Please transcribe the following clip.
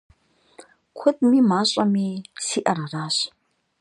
Куэдми мащӏэми сиӏэр аращ.